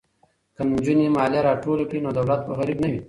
که نجونې مالیه راټوله کړي نو دولت به غریب نه وي.